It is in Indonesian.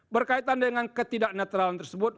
berkaitan dengan ketidaknatralan tersebut